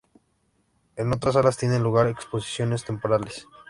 En otras salas tienen lugar exposiciones temporales.